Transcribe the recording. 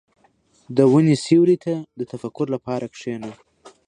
• د ونې سیوري ته د تفکر لپاره کښېنه.